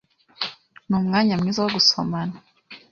Numwanya mwiza wo gusomana.